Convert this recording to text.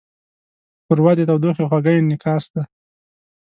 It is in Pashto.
ښوروا د تودوخې خوږه انعکاس ده.